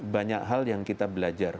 banyak hal yang kita belajar